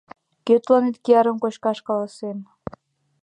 Кӧ тыланет киярым кочкаш каласен?